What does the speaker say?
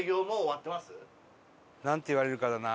なんて言われるかだな。